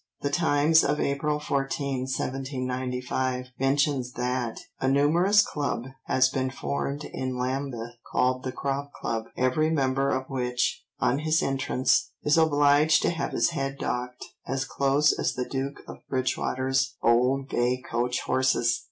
The Times of April 14, 1795, mentions that: "A numerous club has been formed in Lambeth called the Crop Club, every member of which, on his entrance, is obliged to have his head docked as close as the Duke of Bridgewater's old bay coach horses.